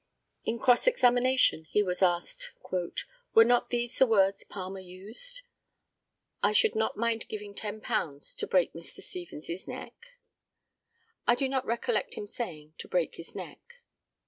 In cross examination he was asked "Were not these the words Palmer used, 'I should not mind giving £10 to break Mr. Stevens's neck?' I do not recollect him saying 'to break his neck.